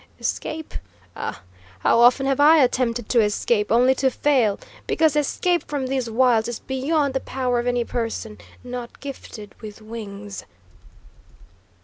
Escape? Ah, how often have I attempted to escape, only to fail, because escape from these wilds is beyond the power of any person not gifted with wings!"